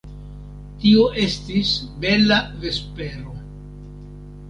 Tio estis bela vespero.